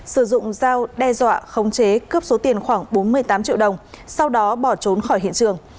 sử dụng dao đe dọa khống chế cướp số tiền khoảng bốn mươi tám triệu đồng sau đó bỏ trốn khỏi hiện trường